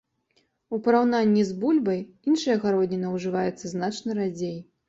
У параўнанні з бульбай іншая гародніна ўжываецца значна радзей.